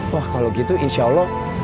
wah kalau gitu insya allah